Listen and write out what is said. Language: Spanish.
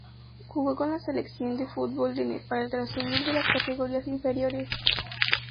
Jugó con la selección de fútbol de Nepal tras subir de las categorías inferiores.